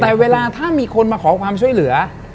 แต่เวลาถ้ามีคนมาขอความช่วยเหลือ